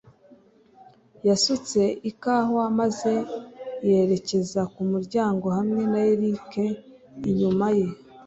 Yasutse ikawa maze yerekeza ku muryango hamwe na Eric inyuma ye.